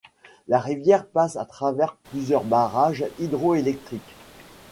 La rivière passe à travers plusieurs barrages hydroélectriques.